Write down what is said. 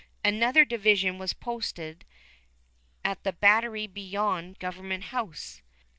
Another division was posted at the battery beyond Government House.